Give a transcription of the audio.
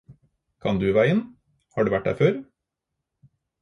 Kan du veien, har du vært der før?